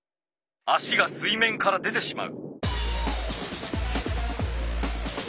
足が水面から出てしまう。